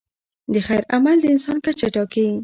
د خیر عمل د انسان کچه ټاکي.